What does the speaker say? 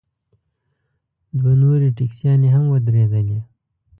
دوه نورې ټیکسیانې هم ودرېدلې.